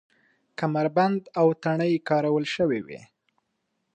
کمربند او تڼۍ کارول شوې وې.